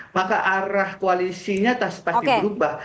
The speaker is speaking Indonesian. maka arah koalisinya pasti berubah